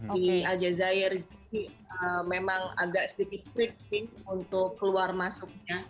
di al jazeera memang agak sedikit street sih untuk keluar masuknya